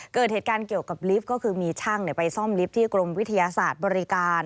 เกิดเหตุการณ์เกี่ยวกับลิฟต์ก็คือมีช่างไปซ่อมลิฟท์ที่กรมวิทยาศาสตร์บริการ